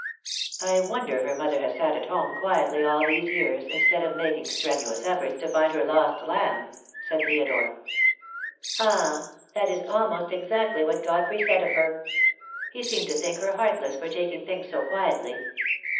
"I wonder her mother has sat at home quietly all these years instead of making strenuous efforts to find her lost lamb," said Theodore. "Ah, that is almost exactly what Godfrey said of her. He seemed to think her heartless for taking things so quietly.